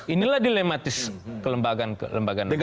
inilah dilematis kelembagaan kelembagaan negara